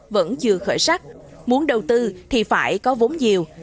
vẫn chưa khởi sắc muốn đầu tư thì phải có vốn nhiều